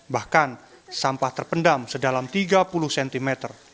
bahkan sampah terpendam sedalam tiga puluh cm